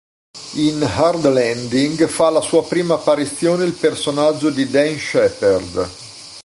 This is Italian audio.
In "Hard Landing" fa la sua prima apparizione il personaggio di Dan Shepherd.